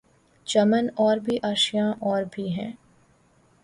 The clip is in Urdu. چمن اور بھی آشیاں اور بھی ہیں